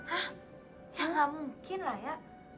hah ya nggak mungkin lah ya